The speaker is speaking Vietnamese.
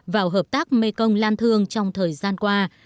vào hợp tác mekong lan thương trong thời gian qua